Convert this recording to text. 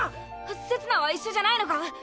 せつなは一緒じゃないのか？